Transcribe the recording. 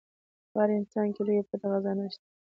په هر انسان کې لويه پټه خزانه شته.